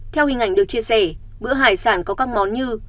theo hình ảnh được chia sẻ bữa hải sản có các món như